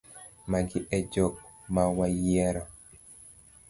Magi e jok mawayiero.